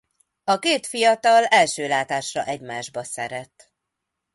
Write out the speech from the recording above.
A két fiatal első látásra egymásba szeret.